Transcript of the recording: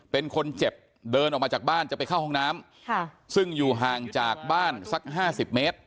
เป็นคนเจ็บเดินออกมาจากบ้านจะไปเข้าห้องน้ำซึ่งอยู่ห่างจากบ้านสัก๕๐เมตร